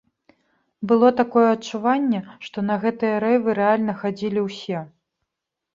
Было такое адчуванне, што на гэтыя рэйвы рэальна хадзілі ўсё.